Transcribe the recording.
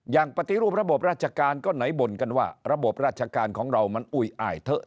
ปฏิรูประบบราชการก็ไหนบ่นกันว่าระบบราชการของเรามันอุ๋ยอ้ายเถอะ